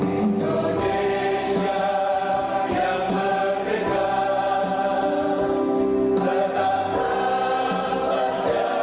indonesia yang berdekat